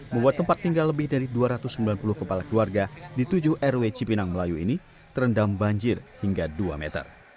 membuat tempat tinggal lebih dari dua ratus sembilan puluh kepala keluarga di tujuh rw cipinang melayu ini terendam banjir hingga dua meter